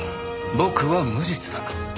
僕は無実だ。